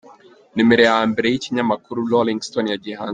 Numero ya mbere y’ikinyamakuru Rolling Stone yagiye hanze.